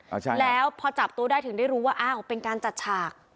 อ่าใช่แล้วพอจับตัวได้ถึงได้รู้ว่าอ้าวเป็นการจัดฉาก